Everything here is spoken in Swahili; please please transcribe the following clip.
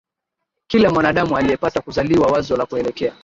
kila mwanadamu aliyepata kuzaliwa Wazo la kuelekea